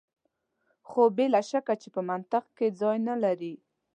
خو بې له شکه چې په منطق کې ځای نه لري.